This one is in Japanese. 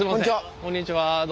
こんにちは。